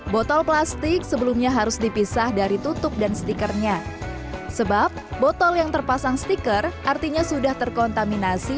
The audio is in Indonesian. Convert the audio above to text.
botol plastik sebelumnya harus dipisah dari tutup dan stikernya sebab botol yang terpasang stiker artinya sudah terkontaminasi